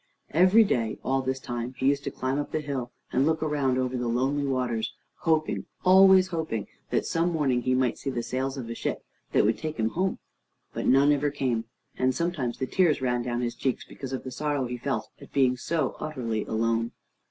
Every day, all this time, he used to climb up the hill and look around over the lonely waters, hoping, always hoping, that some morning he might see the sails of a ship that would take him home. But none ever came, and sometimes the tears ran down his cheeks because of the sorrow he felt at being so utterly alone.